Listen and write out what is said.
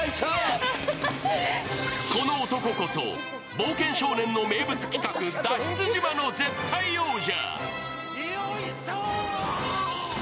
この男こそ「冒険少年」の名物企画、「脱出島」の絶対王者。